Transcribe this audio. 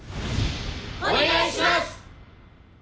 お願いします！